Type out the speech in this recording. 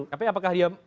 tapi apakah dia